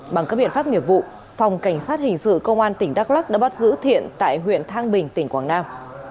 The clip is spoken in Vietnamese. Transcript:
bằng các biện pháp nghiệp vụ phòng cảnh sát hình sự công an tỉnh đắk lắc đã bắt giữ thiện tại huyện thang bình tỉnh quảng nam